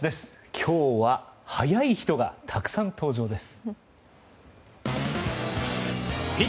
今日は速い人がたくさん登場です。